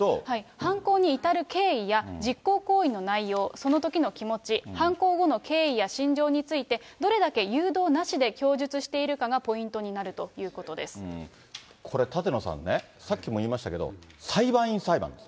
犯行に至る経緯や、実行行為の内容、そのときの気持ち、犯行後の経緯や心情について、どれだけ誘導なしで供述しているかがポこれ、舘野さんね、さっきも言いましたけど、裁判員裁判です。